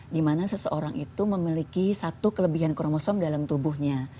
dimana seseorang itu memiliki satu kelebihan kromosom dalam tubuhnya